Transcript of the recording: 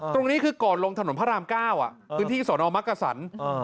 ตรงนี้คือก่อนลงถนนพระราม๙พื้นที่สนมักกษัน